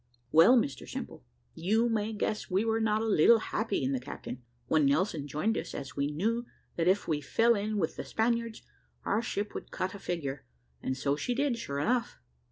Well, Mr Simple, you may guess we were not a little happy in the Captain, when Nelson joined us, as we knew that if we fell in with the Spaniards, our ship would cut a figure and so she did, sure enough.